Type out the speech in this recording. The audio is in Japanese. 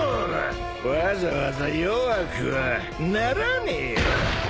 わざわざ弱くはならねえよ。